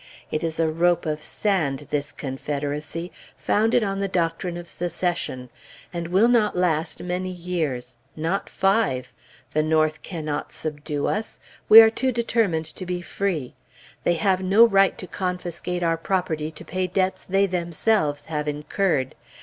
It is a rope of sand, this Confederacy, founded on the doctrine of Secession, and will not last many years not five. The North Cannot subdue us. We are too determined to be free. They have no right to confiscate our property to pay debts they themselves have incurred.